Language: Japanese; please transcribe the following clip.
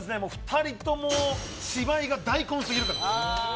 ２人とも芝居が大根すぎるからです